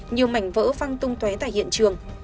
nhiều mảnh vỡ phăng tung tué tại hiện trường